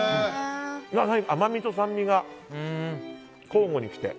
甘みと酸味が交互に来て。